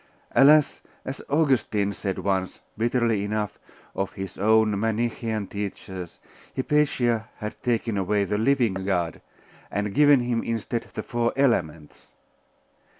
Alas! as Augustine said once, bitterly enough, of his own Manichaean teachers, Hypatia had taken away the living God, and given him instead the four Elements....